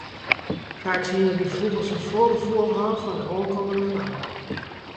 Faaks hiene dy fûgels in foargefoel hân fan de oankommende ramp.